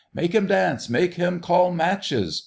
"Make him dance! make him call matches!"